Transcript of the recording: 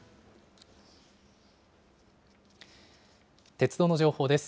鉄道の情報です。